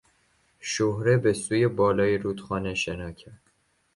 شهره به سوی بالای رودخانه شنا کرد.